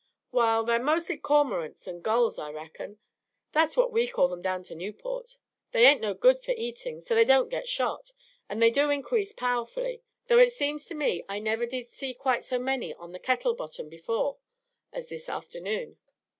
"Wa'al, they're mostly cormorants and gulls, I reckon. That's what we call them down to Newport. They ain't no good for eating, so they don't get shot; and they do increase powerfully, though it seems to me I never did see quite so many on the Kettle Bottom before as this afternoon."